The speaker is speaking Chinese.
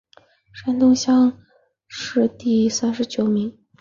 山东乡试第三十九名。